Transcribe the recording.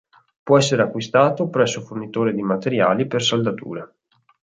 Può essere acquistato presso fornitori di materiali per saldature.